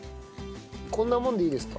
こんなもんでいいですか？